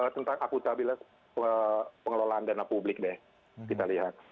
tentang akutabilitas pengelolaan dana publik deh kita lihat